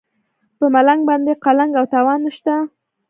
په ملنګ باندې قلنګ او تاوان نشته.